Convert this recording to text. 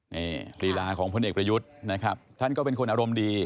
นี่ลีลาของพลเอกประยุทธ์นะครับท่านก็เป็นคนอารมณ์ดี